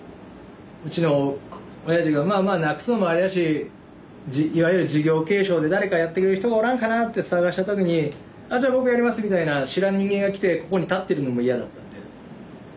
うちのおやじがまあまあなくすのもあれだしいわゆる事業継承で誰かやってくれる人がおらんかなって探した時に「あじゃあ僕やります」みたいな知らん人間が来てここに立ってるのも嫌だったんで。